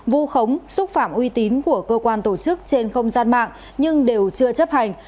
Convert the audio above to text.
vu khống xúc phạm uy tín của cơ quan tổ chức trên không gian mạng nhưng đều chưa chấp hành